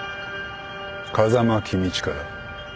風間公親だ。